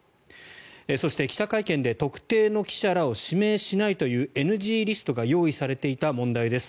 そして、記者会見で特定の記者らを指名しないというＮＧリストが用意されていた問題です。